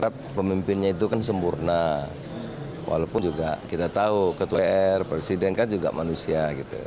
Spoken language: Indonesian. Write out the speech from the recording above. pemimpinnya itu kan sempurna walaupun juga kita tahu ketua pr presiden kan juga manusia